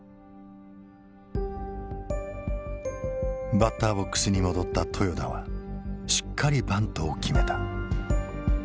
バッターボックスに戻った豊田はしっかりバントを決めた。